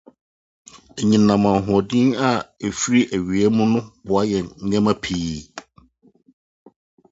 The tunnel has been buried now.